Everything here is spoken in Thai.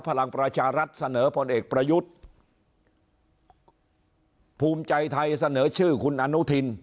พลังประชารัฐเสนอพลเอกประยุทธ์ภูมิใจไทยเสนอชื่อคุณอนุทิน